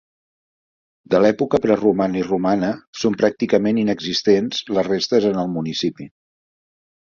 De l'època preromana i romana, són pràcticament inexistents les restes en el municipi.